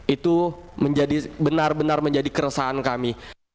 itu benar benar menjadi keresahan kami